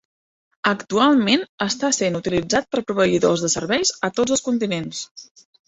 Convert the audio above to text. Actualment està sent utilitzat per proveïdors de serveis a tots els continents.